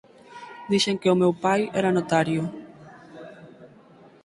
Dixen que o meu pai era notario